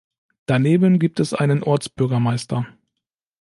Daneben gibt es einen Ortsbürgermeister.